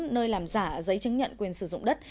nơi làm giả giấy chứng nhận quyền sử dụng đất